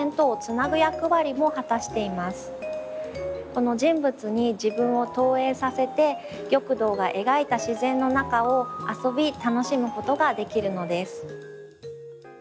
この人物に自分を投影させて玉堂が描いた自然の中を遊び楽しむことができるのです。